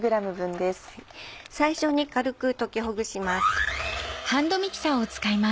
最初に軽く溶きほぐします。